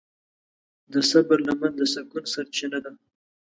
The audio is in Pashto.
د صبر لمن د سکون سرچینه ده.